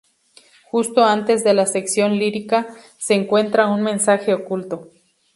Justo antes de la sección lírica, se encuentra un mensaje oculto.